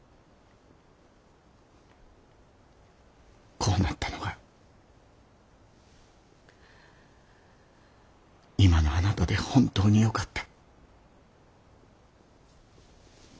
こうなったのが今のあなたで本当によかった。